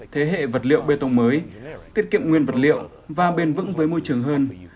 thế hệ vật liệu bê tông mới tiết kiệm nguyên vật liệu và bền vững với môi trường hơn